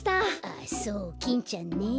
あそうキンちゃんね。